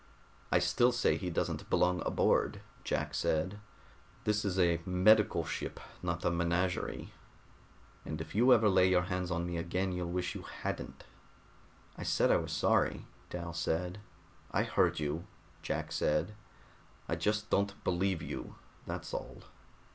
"I still say he doesn't belong aboard," Jack said. "This is a medical ship, not a menagerie. And if you ever lay your hands on me again, you'll wish you hadn't." "I said I was sorry," Dal said. "I heard you," Jack said. "I just don't believe you, that's all."